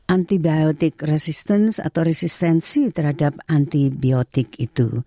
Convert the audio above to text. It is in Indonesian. antibiotik resistance atau resistensi terhadap antibiotik itu